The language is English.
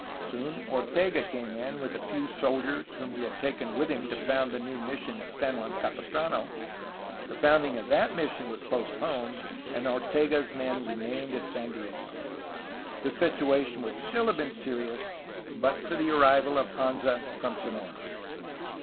Soon Ortega came in with a few soldiers whom he had taken with him to found the new mission of San Juan Capistrano. The founding of that mission was postponed, and Ortega's men remained at San Diego. The situation would stiU have been serious, but for the arrival of Anza from Sonora.